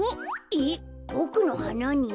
えっボクのはなに？